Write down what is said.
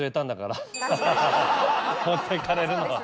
持ってかれるのは。